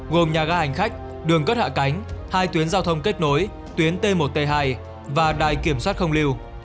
gồm nhà ga hành khách đường cất hạ cánh hai tuyến giao thông kết nối tuyến t một t hai và đài kiểm soát không lưu